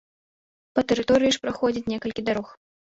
Па тэрыторыі ж праходзяць некалькі дарог.